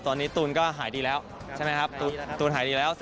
ใช่มั้ยครับตุ๊กหายเลยแล้ว